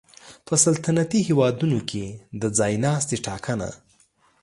په سلطنتي هېوادونو کې د ځای ناستي ټاکنه